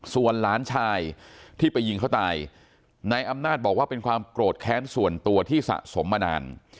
ส่วนหลานชายที่ไปยิงเขาตายนายอำนาจบอกว่าเป็นความโกรธแค้นส่วนตัวที่สะสมมานาน